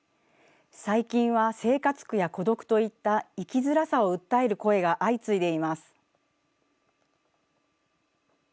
最近は生活苦や孤独といった生きづらさを訴える声が相次いでいます。